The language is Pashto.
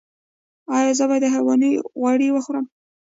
ایا زه باید د حیواني غوړي وخورم؟